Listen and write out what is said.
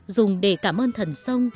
dùng để cảm ơn thần sông